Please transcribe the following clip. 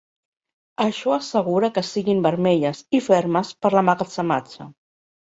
Això assegura que siguin vermelles i fermes per l'emmagatzematge.